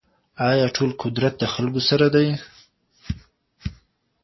آيا ټول قدرت د خلګو سره دی؟